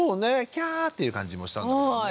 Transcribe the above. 「きゃ！」っていう感じもしたんだけどもね。